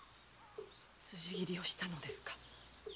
辻斬りをしたのですか？